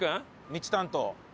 道担当。